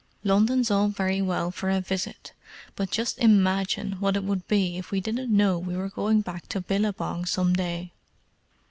"London's all very well for a visit. But just imagine what it would be if we didn't know we were going back to Billabong some day!"